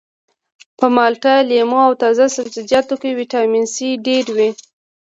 په مالټه لیمو او تازه سبزیجاتو کې ویټامین سي ډیر وي